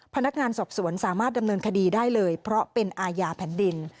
พนักงานสอบสวนสามารถดำเนินคดีได้เลยเพราะเป็นอาญาแผ่นดิน